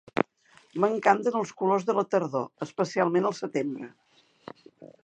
M'encanten els colors de la tardor, especialment al setembre